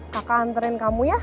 kakak anterin kamu ya